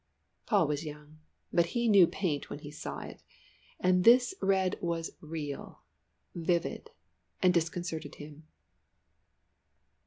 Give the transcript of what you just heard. Paul was young, but he knew paint when he saw it, and this red was real, and vivid, and disconcerted him.